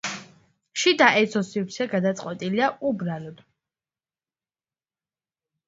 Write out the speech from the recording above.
შიდა ეზოს სივრცე გადაწყვეტილია უბრალოდ.